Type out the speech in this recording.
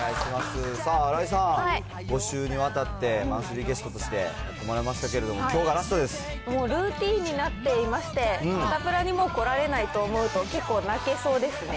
さあ、新井さん、５週にわたってマンスリーゲストとして来てもらいましたけど、きもう、ルーティーンになっていまして、サタプラにもう来られないと思うと、結構泣けそうですね。